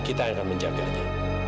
kita akan menjaganya